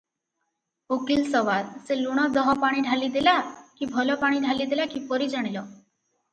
ଉକୀଲ ସୱାଲ - ସେ ଲୁଣ ଦହପାଣି ଢାଳି ଦେଲା କି ଭଲ ପାଣି ଢାଳି ଦେଲା, କିପରି ଜାଣିଲ?